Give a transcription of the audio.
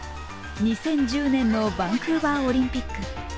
２０１０年のバンクーバーオリンピック。